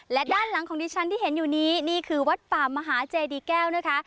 และด้านหลังของดิฉันที่เห็นอยู่นี้นี่คือวัดป่ามหาเจดีแก้วนะคะ